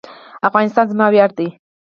افغانستان زما ویاړ دی